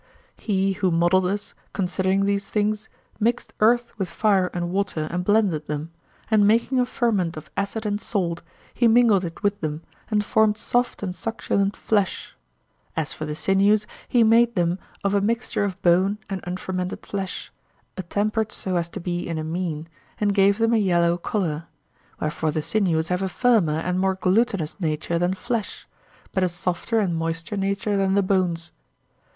He who modelled us, considering these things, mixed earth with fire and water and blended them; and making a ferment of acid and salt, he mingled it with them and formed soft and succulent flesh. As for the sinews, he made them of a mixture of bone and unfermented flesh, attempered so as to be in a mean, and gave them a yellow colour; wherefore the sinews have a firmer and more glutinous nature than flesh, but a softer and moister nature than the bones.